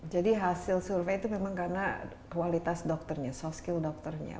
jadi hasil survei itu memang karena kualitas dokternya soft skill dokternya